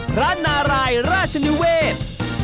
พระนารายราชนิเวศ